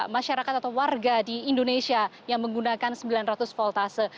masyarakat atau warga di indonesia yang menggunakan sembilan ratus voltase